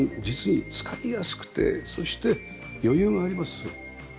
実に使いやすくてそして余裕があります。